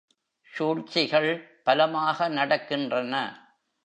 சூழ்ச்சிகள் பலமாக நடக்கின்றன.